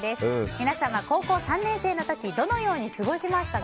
皆さんは高校３年生の時どのように過ごしましたか？